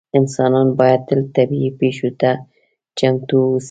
انسانان باید تل طبیعي پېښو ته چمتو اووسي.